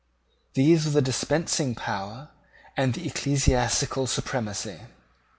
These were the dispensing power and the ecclesiastical supremacy.